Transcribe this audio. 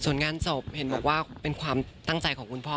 ส่วนงานศพเห็นบอกว่าเป็นความตั้งใจของคุณพ่อ